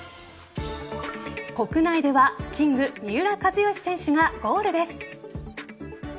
国内ではキング・三浦知良選手がゴールです。